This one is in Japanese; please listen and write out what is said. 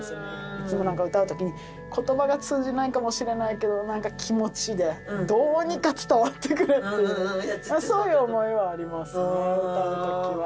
いつもなんか、歌うときに、ことばが通じないかもしれないけど、なんか気持ちで、どうにか伝わってくれっていう、そういう思いはありますね、歌うときは。